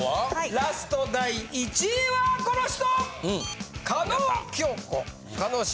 ラスト第１位はこの人！